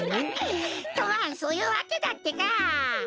とまあそういうわけだってか！